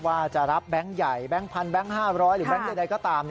ว่าจะรับแบงค์ใหญ่แบงค์พันแบงค์๕๐๐หรือแก๊งใดก็ตาม